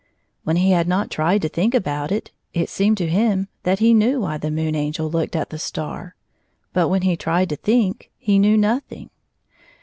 When he had not tried to think about it, it seemed to him that he knew why the Moon Angel looked at the star, but when he tried to think he knew nothing.